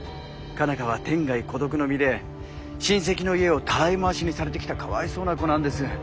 佳奈花は天涯孤独の身で親戚の家をたらい回しにされてきたかわいそうな子なんです。